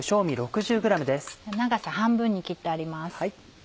長さ半分に切ってあります。